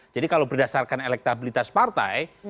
jadi kalau berdasarkan elektabilitas partai